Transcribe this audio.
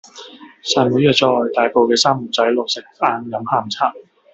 細妹約左我去大埔嘅三門仔路食晏飲下午茶